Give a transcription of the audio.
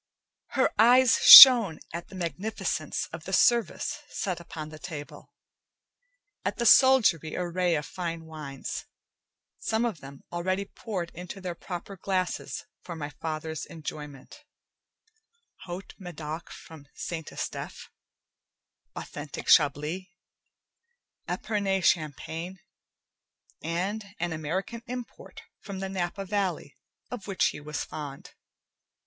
Her eyes shone at the magnificence of the service set upon the table, at the soldiery array of fine wines, some of them already poured into their proper glasses for my father's enjoyment: Haut Medoc, from St. Estephe, authentic Chablis, Epernay Champagne, and an American import from the Napa Valley of which he was fond.